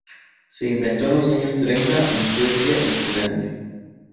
Se inventó en los años treinta en Suecia y Finlandia.